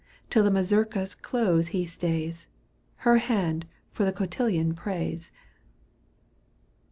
Till the mazurka's close he stays. Her hand for the cotillon prays.